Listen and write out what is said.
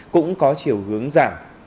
cũng có chiều hướng giảm